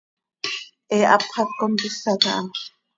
He hapx hac contisa caha.